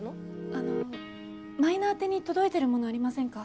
あの舞菜宛に届いてるものありませんか？